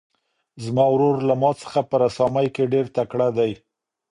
زما ورور له ما څخه په رسامۍ کې ډېر تکړه دی.